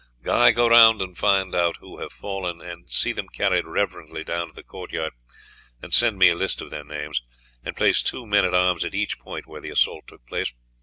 Guy, go round and find who have fallen, and see them carried reverently down to the court yard, send me a list of their names, and place two men at arms at each point where the assault took place.